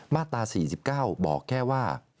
มาตรา๔๙บอกแค่ว่า